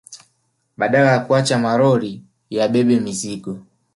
Badala ya kuyaacha malori yabebe mizigo